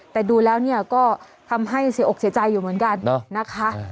แต่ดูแล้วเนี่ยก็ทำให้เสียอกเสียใจอยู่เหมือนกันนะคะ